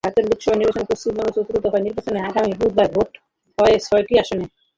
ভারতের লোকসভা নির্বাচনে পশ্চিমবঙ্গে চতুর্থ দফার নির্বাচনে আগামী বুধবার ভোট হবে ছয়টি আসনে।